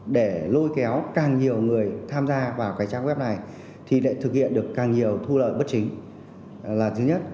để lôi kéo càng nhiều người tham gia vào cái trang web này thì lại thực hiện được càng nhiều thu lợi bất chính là thứ nhất